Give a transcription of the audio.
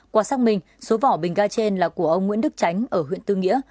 qua xác minh số vỏ bình ga trên là của ông nguyễn đức tránh ở huyện tư nghĩa